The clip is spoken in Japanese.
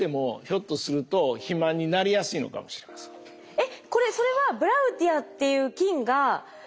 えっこれそれはブラウティアっていう菌が何ですか？